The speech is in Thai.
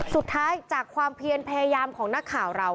สุดท้ายจากความเพียรพยายามของนักข่าวเรา